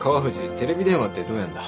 テレビ電話ってどうやんだ？